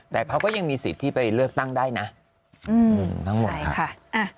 แต่เขาก็ยังมีสิทธิ์เลือกตั้งได้ทั้งหมดนะครับ